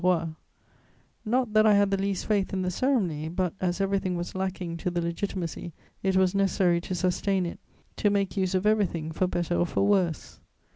_ Not that I had the least faith in the ceremony; but, as everything was lacking to the Legitimacy, it was necessary, to sustain it, to make use of everything, for better or for worse.